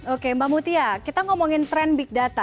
oke mbak mutia kita ngomongin tren big data